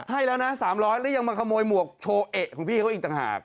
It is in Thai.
ให้แล้วนะ๓๐๐แล้วยังมาขโมยหมวกโชว์เอะของพี่เขาอีกต่างหาก